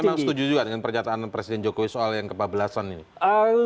jadi anda memang setuju juga dengan pernyataan presiden jokowi soal yang kebablasan ini